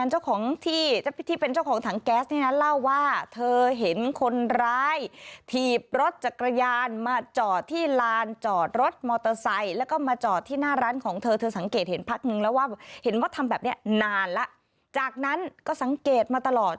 เห้นว่าทำแบบนี้นานแล้วจากนั้นก็สังเกตมาตลอด